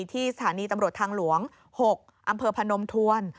ที่สถานีตำรวจทางหลวง๖อำเภอพนมทวน